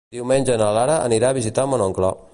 Diumenge na Lara anirà a visitar mon oncle.